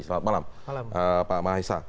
selamat malam pak mahesa